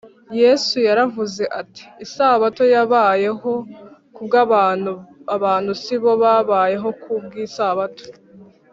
yesu yaravuze ati, “isabato yabayeho kubw’abantu, abantu si bo babayeho ku bw’isabato